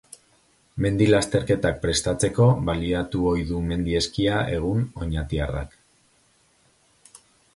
Mendi lasterketak prestatzeko baliatu ohi du mendi eskia egun oñatiarrak.